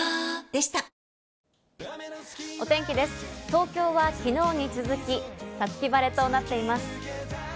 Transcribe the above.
東京は昨日に続き、五月晴れとなっています。